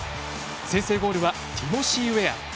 先制ゴールはティモシー・ウェア。